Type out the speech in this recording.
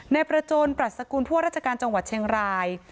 ในประโยนปราสกุลพวกราชการจังวัดเชนกราย